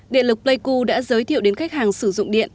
địa lực playku đã giới thiệu đến khách hàng sử dụng điện